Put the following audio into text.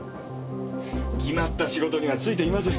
決まった仕事にはついていません。